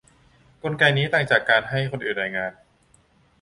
กลไกนี้ต่างจากการให้คนอื่นรายงาน